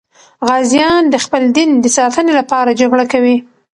غازیان د خپل دین د ساتنې لپاره جګړه کوي.